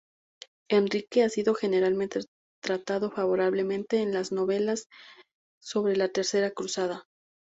Enrique ha sido generalmente tratado favorablemente en las novelas sobre la Tercera Cruzada.